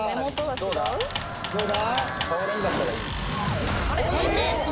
どうだ？